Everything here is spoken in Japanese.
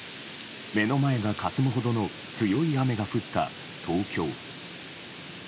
目の前がかすむほどの強い雨が降った東京。